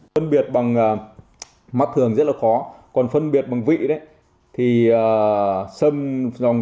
phân biệt bằng mặt thường rất là khó còn phân biệt bằng vị đấy